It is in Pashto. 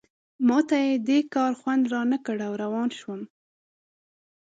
ما ته یې دې کار خوند رانه کړ او روان شوم.